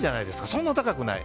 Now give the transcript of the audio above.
そんなに高くない。